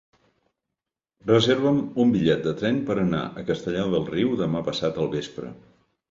Reserva'm un bitllet de tren per anar a Castellar del Riu demà passat al vespre.